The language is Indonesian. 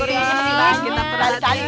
pilih lagi tak perhatiin ya